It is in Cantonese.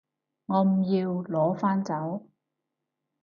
我唔要，攞返走